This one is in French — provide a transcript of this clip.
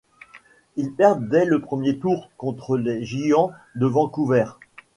Ils perdent dès le premier tour contre les Giants de Vancouver.